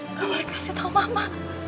nggak boleh dikasih tahu mama